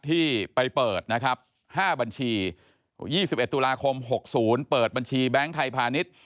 ที่ไปเปิดนะครับ๕บัญชี๒๑ตุลาคม๖๐เปิดบัญชีแบงค์ไทยพาณิชย์